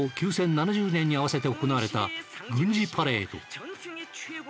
７０年に合わせて行われた軍事パレード。